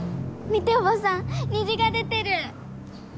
見ておばさん虹が出てる！